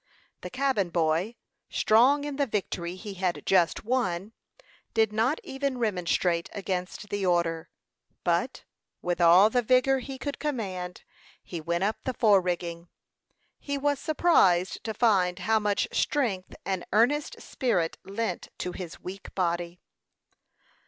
The cabin boy, strong in the victory he had just won, did not even remonstrate against the order; but, with all the vigor he could command, he went up the fore rigging. He was surprised to find how much strength an earnest spirit lent to his weak body.